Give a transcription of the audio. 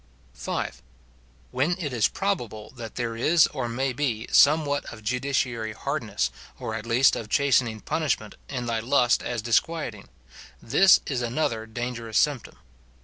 5. When it is probable that there is, or may be, some what of judiciary hardness, or at least of chastening punishment, in thy lust as disquieting; this is another dangerous symptom.